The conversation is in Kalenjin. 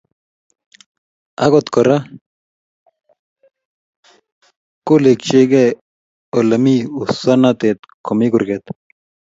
Agot Kora kolechkei Ole mi usonet komi kurget